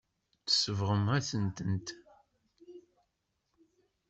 Tsebɣemt-as-tent.